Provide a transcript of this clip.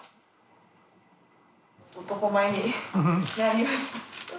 男前になりました。